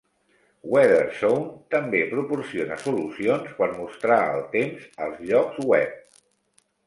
Weatherzone també proporciona solucions per mostrar el temps als llocs web.